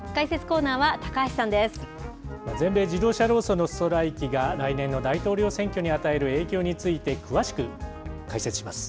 全米自動車労組のストライキが来年の大統領選挙に与える影響について、詳しく解説します。